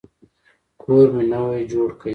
کور مي نوی جوړ کی.